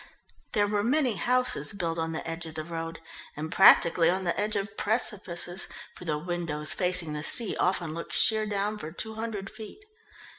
There were many houses built on the edge of the road and practically on the edge of precipices, for the windows facing the sea often looked sheer down for two hundred feet.